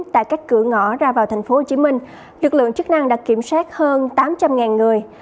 tại các cửa ngõ ra vào tp hcm lực lượng chức năng đã kiểm soát hơn tám trăm linh người